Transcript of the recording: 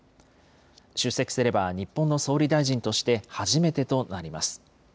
出席すれば、日本の総理大臣として初めてとなります。